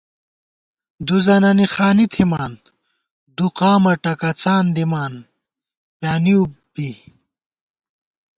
دُوزَنَنی خانی تھِمان دُو قامہ ٹکَڅان دِمان پیانِؤ بی